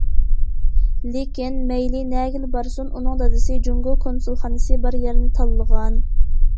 لېكىن، مەيلى نەگىلا بارسۇن، ئۇنىڭ دادىسى جۇڭگو كونسۇلخانىسى بار يەرنى تاللىغان.